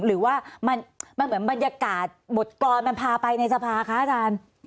หรือว่ามันเหมือนบรรยากาศบทกรรมมันพาไปในสภาคะอาจารย์